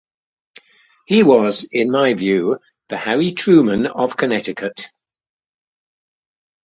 He was, in my view, the Harry Truman of Connecticut.